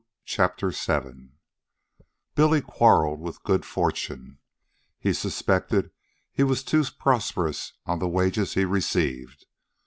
CHAPTER VII Billy quarreled with good fortune. He suspected he was too prosperous on the wages he received.